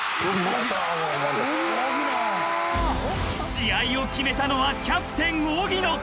［試合を決めたのはキャプテン荻野！］